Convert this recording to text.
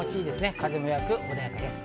風も弱く穏やかです。